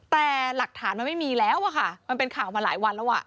แต่หลักฐานมันไม่มีแล้วอะค่ะมันเป็นข่าวมาหลายวันแล้วอ่ะ